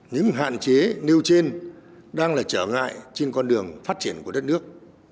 những hạn chế nêu trên đang là trở ngại trên con đường phát triển của đất nước